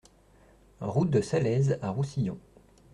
Route de Salaise à Roussillon